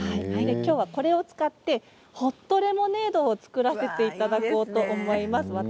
きょうはこちらを使ってホットレモネードを作らせていただきます。